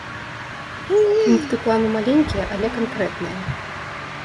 Пункты плану маленькія, але канкрэтныя.